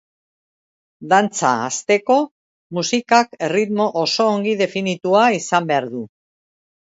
Dantza askeko musikak erritmo oso ongi definitua izan behar du.